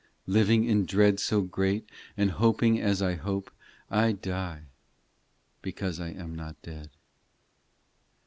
Living in dread so great And hoping as I hope, I die, because I am not dead.